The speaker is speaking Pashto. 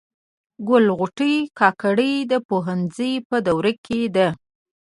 ګل غوټۍ کاکړه د پوهنځي په دوره کي ده.